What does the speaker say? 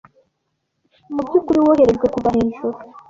Mubyukuri woherejwe kuva hejuru ...